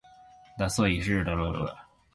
だそい ｈｓｄｇ ほ；いせるぎ ｌｈｓｇ